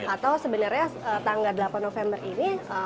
atau sebenarnya tanggal delapan november ini